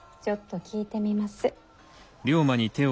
ちょっと聞いてみます。